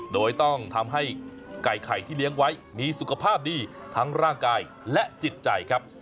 โดยต้องทำให้ไก่ไข่ที่เลี้ยงไว้มีสุขภาพดีทั้งร่างกายและจิตใจครับ